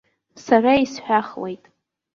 Сара исҳәахуеит.